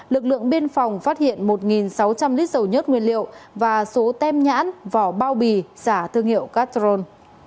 lực lượng biên phòng phát hiện một sáu trăm linh lít dầu nhất nguyên liệu và số tem nhãn vỏ bao bì giả thương hiệu castrol